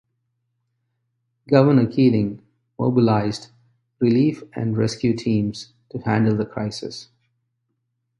Governor Keating mobilized relief and rescue teams to handle the crisis.